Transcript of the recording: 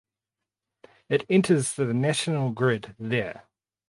It enters the national grid there.